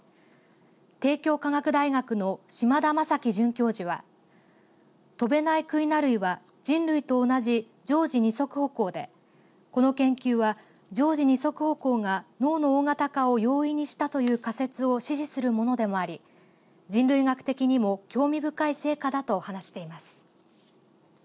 帝京科学大学の島田将喜准教授は飛べないクイナ類は人類と同じ常時２足歩行でこの研究は常時２足歩行が脳の大型化を容易にしたという仮説を支持するものでもあり人類学的にも興味深い成果だと話しています。